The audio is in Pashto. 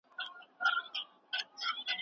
هغه کتاب چي ما واخیست د مينې کيسې وې.